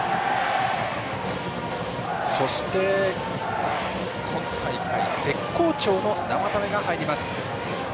そして、今大会絶好調の生田目が入ります。